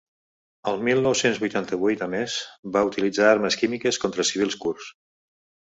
El mil nou-cents vuitanta-vuit, a més, va utilitzar armes químiques contra civils kurds.